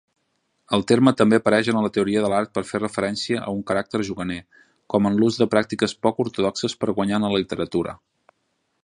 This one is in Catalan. El terme també apareix a la teoria de l'art per fer referència a un caràcter juganer, com en "l'ús de pràctiques poc ortodoxes per guanyar en la literatura".